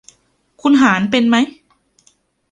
คุณหารเป็นมั้ย